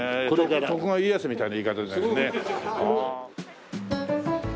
徳川家康みたいな言い方ですよね。